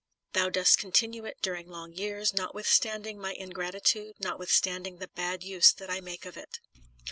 Thou dost continue it during long years, not withstanding my ingratitude, notwithstanding the bad use that I make of it.